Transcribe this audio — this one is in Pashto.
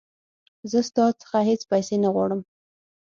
زه ستا څخه هیڅ پیسې نه غواړم.